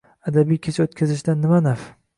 Adabiy kecha o‘tkazishdan nima naf?!